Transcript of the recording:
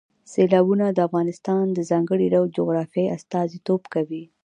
سیلابونه د افغانستان د ځانګړي ډول جغرافیه استازیتوب کوي.